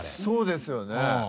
そうですよね。